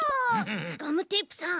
ガムテープさん。